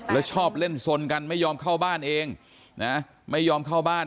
แล้วชอบเล่นสนกันไม่ยอมเข้าบ้านเองนะไม่ยอมเข้าบ้าน